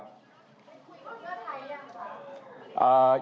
คุยกับเพื่อไทยยังหรือเปล่า